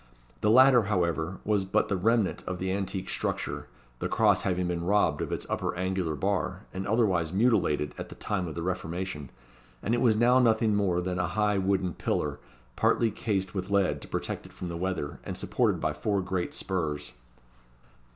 The latter, however, was but the remnant of the antique structure, the cross having been robbed of its upper angular bar, and otherwise mutilated, at the time of the Reformation, and it was now nothing more than a high wooden pillar, partly cased with lead to protect it from the weather, and supported by four great spurs.